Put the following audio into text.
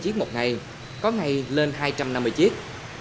một trăm tám mươi chiếc một ngày có ngày lên hai trăm năm mươi chiếc